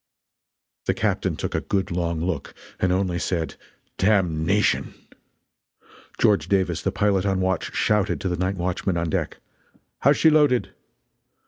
The captain took a good long look, and only said: "Damnation!" George Davis, the pilot on watch, shouted to the night watchman on deck: "How's she loaded?"